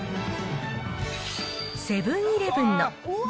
セブンーイレブンの具